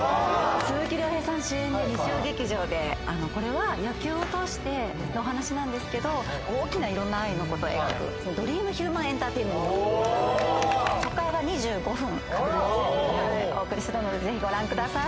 鈴木亮平さん主演の日曜劇場でこれは野球を通してのお話なんですけど大きな色んな愛のことを描くドリームヒューマンエンターテインメント初回は２５分拡大してお送りするのでぜひご覧ください